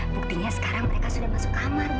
buktinya sekarang mereka sudah masuk kamar